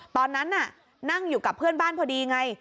ตอนนั้นน่ะนั่งอยู่กับเพื่อนบ้านพอดีไง